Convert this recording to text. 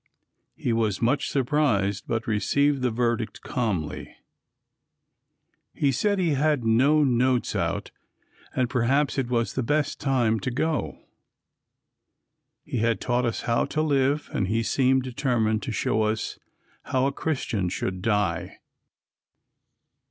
He was much surprised but received the verdict calmly. He said "he had no notes out and perhaps it was the best time to go." He had taught us how to live and he seemed determined to show us how a Christian should die.